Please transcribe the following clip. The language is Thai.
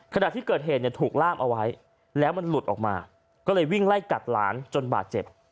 ขณะที่เกิดเหตุเนี่ยถูกล่ามเอาไว้แล้วมันหลุดออกมาก็เลยวิ่งไล่กัดหลานจนบาดเจ็บ